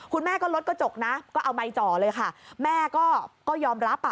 คุณแม่ก็ลดกระจกนะก็เอาไมค์จ่อเลยค่ะแม่ก็ยอมรับอ่ะ